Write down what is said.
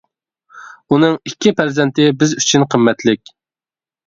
ئۇنىڭ ئىككى پەرزەنتى بىز ئۈچۈن قىممەتلىك.